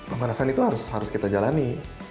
pemanasan itu harus kita jalani